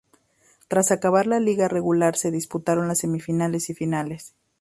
Tras acabar la liga regular se disputaron las semifinales y la final.